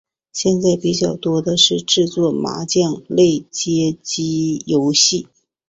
现在比较多的是制作麻将类街机游戏。